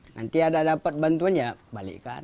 nanti ada dapat bantuan ya balikkan